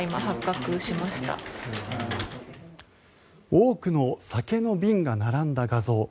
多くの酒の瓶が並んだ画像。